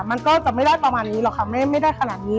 มันก็จะไม่ได้ประมาณนี้หรอกค่ะไม่ได้ขนาดนี้